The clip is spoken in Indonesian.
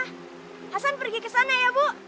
hasan pergi ke sana ya bu